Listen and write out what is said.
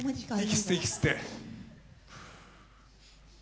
息吸って息吸って。